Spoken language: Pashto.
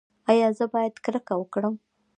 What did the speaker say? ایا زه باید کرکه وکړم؟